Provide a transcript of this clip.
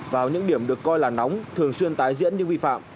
vào những điểm được coi là nóng thường xuyên tái diễn những vi phạm